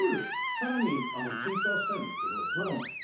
さらに追加したいんですけど何を？